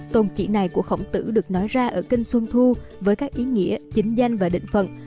tồn chỉ này của khổng tử được nói ra ở kinh xuân thu với các ý nghĩa chính danh và định phận